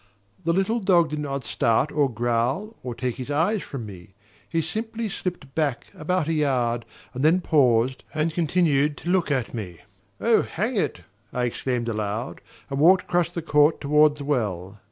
The little dog did not start, or growl, or take his eyes from me he simply slipped back about a yard, and then paused and continued to look at me. "Oh, hang it!" I exclaimed aloud, and walked across the court toward the well.